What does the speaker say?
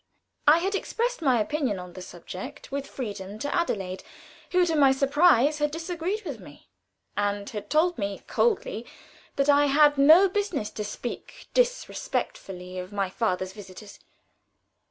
I had expressed my opinion on the subject with freedom to Adelaide, who to my surprise had not agreed with me, and had told me coldly that I had no business to speak disrespectfully of my father's visitors.